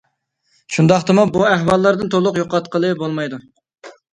شۇنداقتىمۇ بۇ ئەھۋاللاردىن تولۇق يوقاتقىلى بولمايدۇ.